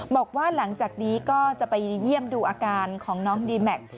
บอกว่าหลังจากนี้ก็จะไปเยี่ยมดูอาการของน้องดีแม็กซ์